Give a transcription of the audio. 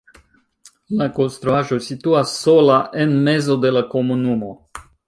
La konstruaĵo situas sola en mezo de la komunumo.